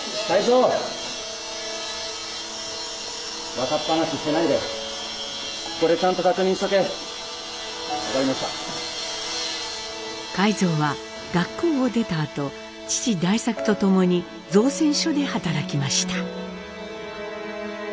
海蔵は学校を出たあと父代作と共に造船所で働きました。